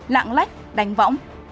lạng lách đánh võng